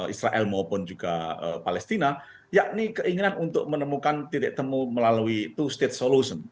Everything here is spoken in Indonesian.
israel maupun juga palestina yakni keinginan untuk menemukan titik temu melalui two state solution